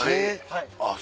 はい。